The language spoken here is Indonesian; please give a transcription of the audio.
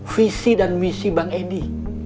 visi dan misi bang edi